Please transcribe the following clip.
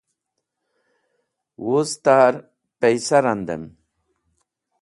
Wuz ta’r paysa randem.